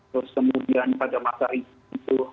terus kemudian pada masa itu